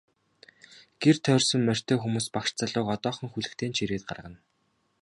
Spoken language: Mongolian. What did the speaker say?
Гэр тойрсон морьтой хүмүүс багш залууг одоохон хүлэгтэй нь чирээд гаргана.